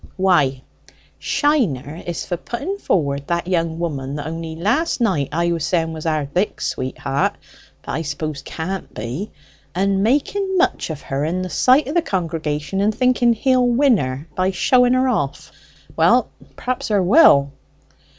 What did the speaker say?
Why, Shiner is for putting forward that young woman that only last night I was saying was our Dick's sweet heart, but I suppose can't be, and making much of her in the sight of the congregation, and thinking he'll win her by showing her off. Well, perhaps 'a woll."